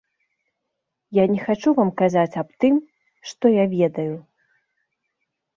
Я не хачу вам казаць аб тым, што я ведаю.